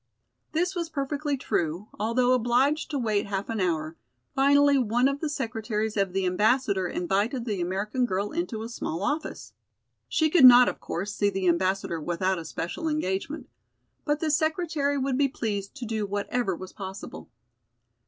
This was perfectly true, although obliged to wait half an hour; finally one of the secretaries of the Ambassador invited the American girl into a small office. She could not, of course, see the Ambassador without a special engagement, but the secretary would be pleased to do whatever was possible.